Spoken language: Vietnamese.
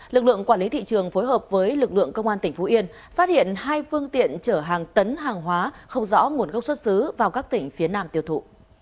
lực lượng quản lý thị trường phối hợp với lực lượng công an tỉnh phú yên phát hiện hai phương tiện chở hàng tấn hàng hóa không rõ nguồn gốc xuất xứ vào các tỉnh phía nam tiêu thụ